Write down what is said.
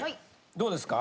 どうですか？